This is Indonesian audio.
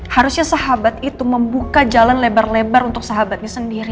harusnya sahabat itu membuka jalan lebar lebar untuk sahabatnya sendiri